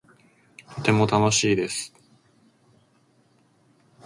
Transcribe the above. とても楽しいです